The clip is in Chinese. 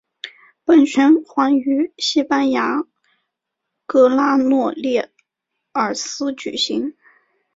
本循环于西班牙格拉诺列尔斯举行。